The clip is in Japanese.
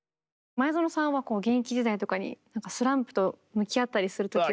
前園さんは現役時代とかにスランプと向き合ったりする時は。